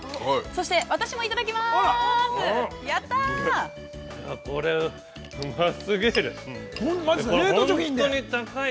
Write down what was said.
そして私もいただきます。